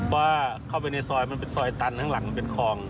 ว่าเข้าไปในซอยมันเป็นซอยตันข้างหลังมันเป็นคลอง